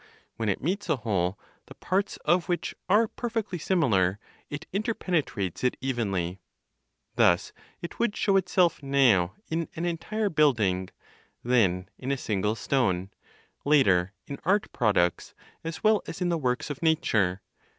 When it meets a whole, the parts of which are perfectly similar, it interpenetrates it evenly. Thus it would show itself now in an entire building, then in a single stone, later in art products as well as in the works of nature.